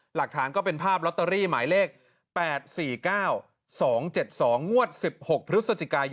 หลักฐานก็เป็นภาพล็อตเตอรี่หมายเลข๘๔๙๒๗๒ง๑๖พศซ